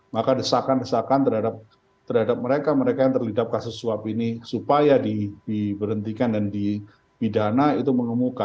maka desakan desakan terhadap mereka mereka yang terlibat kasus suap ini supaya diberhentikan dan dipidana itu mengemuka